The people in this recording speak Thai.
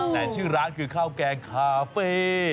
แต่ชื่อร้านคือข้าวแกงคาเฟ่